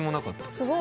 すごい。